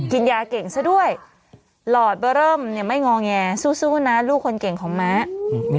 กินยาเก่งซะด้วยหลอดเบอร์เริ่มไม่งอแงสู้นะลูกคนเก่งของม้า